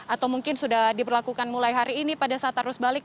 atau mungkin sudah diberlakukan mulai hari ini pada saat harus balik